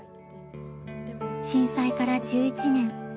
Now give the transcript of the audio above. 震災から１１年。